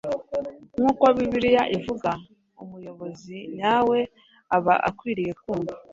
Nk’uko Bibiliya ivuga, umuyobozi nyawe aba akwiriye kumva